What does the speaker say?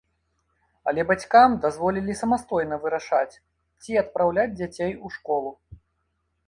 Але бацькам дазволілі самастойна вырашаць, ці адпраўляць дзяцей у школу.